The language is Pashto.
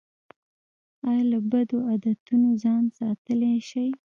ایا له بدو عادتونو ځان ساتلی شئ؟